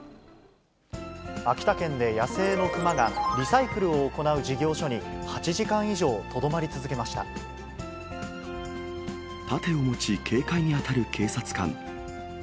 秋田県で野生の熊がリサイクルを行う事業所に８時間以上とど盾を持ち、警戒に当たる警察官。